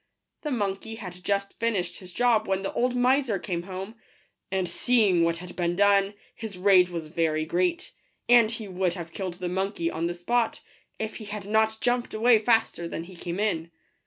The monkey had just finished his job when the old miser came home ; and seeing what had been done, his rage was very great, and he would have killed the monkey on the spot, if he had not jumped away faster than he came in.